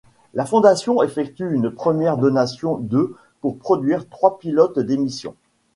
La fondation effectue une première donation de pour produire trois pilotes d'émission.